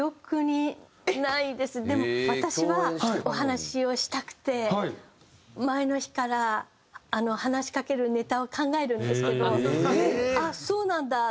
でも私はお話しをしたくて前の日から話しかけるネタを考えるんですけど「あっそうなんだ」で終わっちゃう事が。